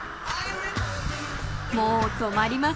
［もう止まりません］